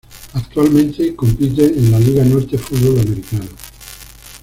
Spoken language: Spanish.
Actualmente compite en la Liga Norte Fútbol Americano.